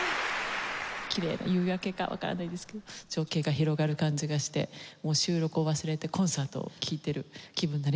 きれいな夕焼けかわからないですけど情景が広がる感じがしてもう収録を忘れてコンサートを聴いている気分になりました。